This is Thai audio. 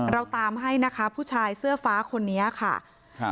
เราตามให้นะคะผู้ชายเสื้อฟ้าคนนี้ค่ะครับ